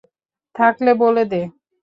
থাকলে বলে দে।